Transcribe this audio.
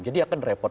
jadi akan repot